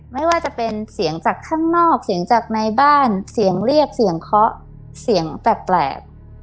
ไม่ว่าจะเป็นเสียงจากข้างนอกเสียงจากในบ้านเสียงเรียกเสียงเคาะเสียงแปลก